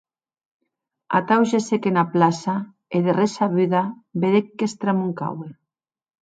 Atau gessec ena plaça e de ressabuda vedec qu'estramuncaue.